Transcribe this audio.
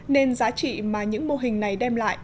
nên giá trị mà những mô hình này đem lại